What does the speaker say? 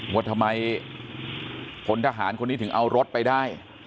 ว่าทำไมพลทหารคนนี้ถึงเอารถไปได้